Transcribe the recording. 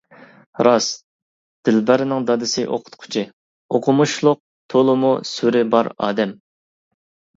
راست، دىلبەرنىڭ دادىسى ئوقۇتقۇچى، ئوقۇمۇشلۇق، تولىمۇ سۈرى بار ئادەم.